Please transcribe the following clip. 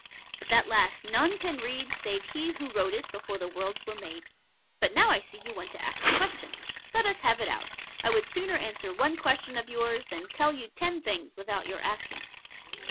But that last none can read save He who wrote it before the worlds were made. But now I see you want to ask a question. Let us have it out. I would sooner answer one question of yours than tell you ten things without your asking.